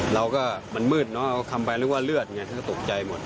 เราก็มันมืดเนาะคำไปเรื่องว่าเลือดไงก็ตกใจหมด